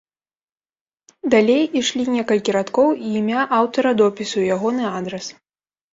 Далей ішлі некалькі радкоў і імя аўтара допісу і ягоны адрас.